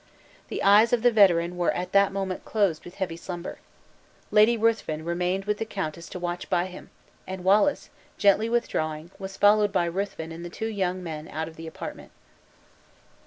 The eyes of the veteran were at that moment closed with heavy slumber. Lady Ruthven remained with the countess to watch by him; and Wallace, gently withdrawing, was followed by Ruthven and the two young men out of the apartment.